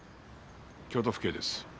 京都府警です。